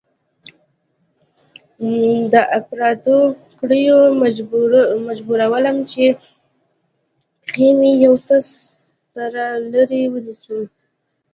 د اپراتو کړيو مجبورولم چې پښې مې يو څه سره لرې ونيسم.